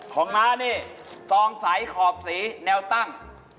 ของมานี่สองสายขอบสีแนวตั้ง